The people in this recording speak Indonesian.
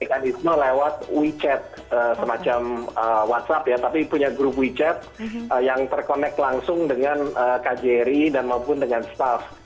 mekanisme lewat wechat semacam whatsapp ya tapi punya grup wechat yang terkonek langsung dengan kjri dan maupun dengan staff